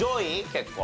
結構。